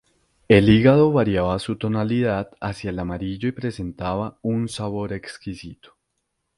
El hígado variaba su tonalidad hacia el amarillo y presentaba un sabor exquisito.